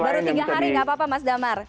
baru tiga hari gak apa apa mas damar